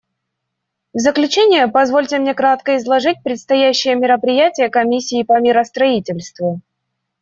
В заключение позвольте мне кратко изложить предстоящие мероприятия Комиссии по миростроительству.